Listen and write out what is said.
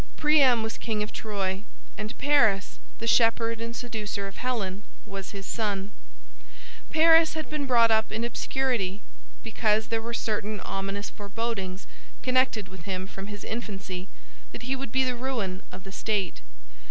Priam was king of Troy, and Paris, the shepherd and seducer of Helen, was his son. Paris had been brought up in obscurity, because there were certain ominous forebodings connected with him from his infancy that he would be the ruin of the state.